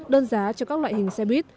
đơn giá cho các loại hình xe buýt